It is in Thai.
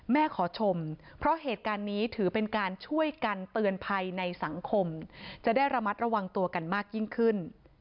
ขอชมเพราะเหตุการณ์นี้ถือเป็นการช่วยกันเตือนภัยในสังคมจะได้ระมัดระวังตัวกันมากยิ่งขึ้น